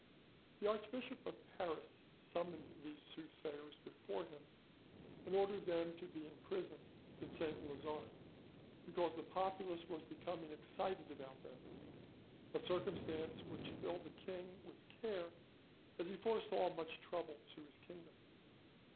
The Archbishop of Paris summoned these soothsayers before him, and ordered them to be imprisoned in Saint Lazare, because the populace was becoming excited about them—a circumstance which filled the king with care, as he foresaw much trouble to his kingdom.